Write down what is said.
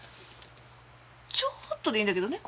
ちょっとでいいんだけどね